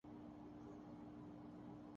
آج کی افواج اصل میں